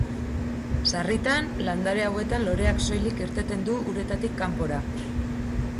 Sarritan, landare hauetan loreak soilik irteten du uretatik kanpora.